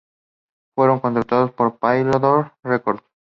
Fueron contratados por Polydor Records.